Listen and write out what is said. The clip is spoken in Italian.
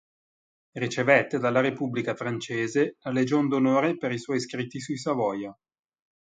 Ricevette dalla Repubblica francese la Legion d'onore per i suoi scritti sui Savoia.